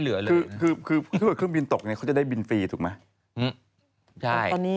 เครื่องบินตกเนี่ยเขาคงจะได้บินฟรีถูกไหม